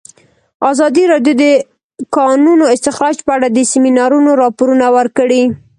ازادي راډیو د د کانونو استخراج په اړه د سیمینارونو راپورونه ورکړي.